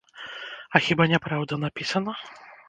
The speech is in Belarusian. А хіба няпраўда напісана?